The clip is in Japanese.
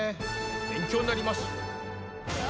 勉強になります。